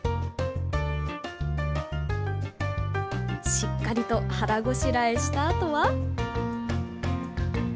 しっかりと腹ごしらえしたあとは。